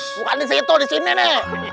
bukan disitu disini nih